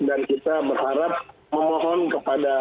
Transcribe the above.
dan kita berharap memohon kepada